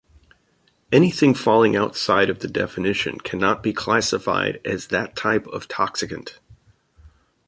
Anything falling outside of the definition cannot be classified as that type of toxicant.